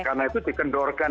karena itu dikendorkan